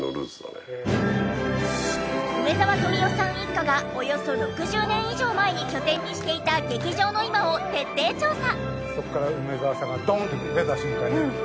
梅沢富美男さん一家がおよそ６０年以上前に拠点にしていた劇場の今を徹底調査。